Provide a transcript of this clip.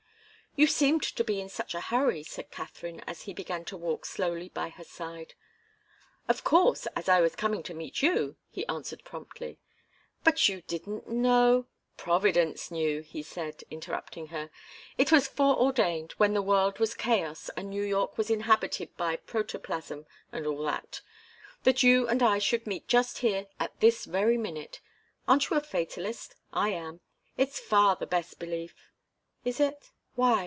"You seemed to be in such a hurry," said Katharine, as he began to walk slowly by her side. "Of course, as I was coming to meet you," he answered promptly. "But you didn't know " "Providence knew," he said, interrupting her. "It was foreordained when the world was chaos and New York was inhabited by protoplasm and all that that you and I should meet just here, at this very minute. Aren't you a fatalist? I am. It's far the best belief." "Is it? Why?